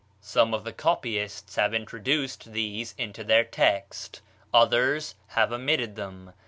Some of the copyists have introduced these into their text, others have omitted them.